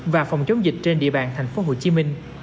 và phòng chống dịch trên địa bàn tp hcm